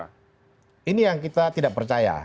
nah ini yang kita tidak percaya